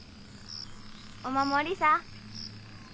お守りさぁ。